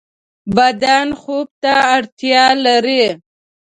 بدن خوب ته اړتیا لری